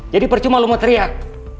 jadi percuma lo mau teriak